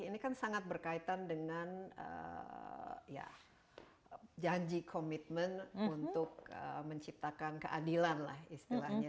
ini sangat berkaitan dengan ya janji commitment untuk menciptakan keadilan lah istilahnya